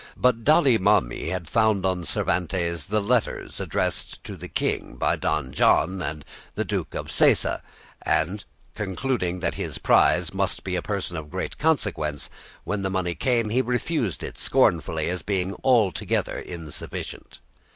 But Dali Mami had found on Cervantes the letters addressed to the King by Don John and the Duke of Sesa, and, concluding that his prize must be a person of great consequence, when the money came he refused it scornfully as being altogether insufficient.